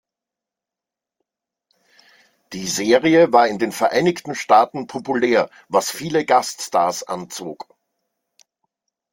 Die Serie war in den Vereinigten Staaten populär, was viele Gaststars anzog.